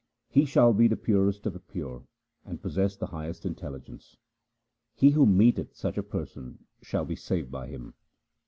He shall be the purest of the pure and possess the highest intelligence. He who meeteth such a person shall be saved by him.